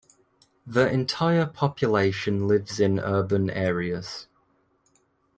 The entire population lives in urban areas.